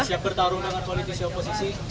siap bertarung dengan politisi oposisi